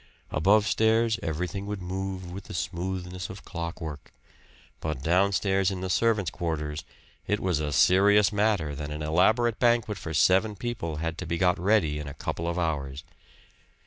Above stairs everything would move with the smoothness of clockwork; but downstairs in the servants' quarters it was a serious matter that an elaborate banquet for seven people had to be got ready in a couple of hours.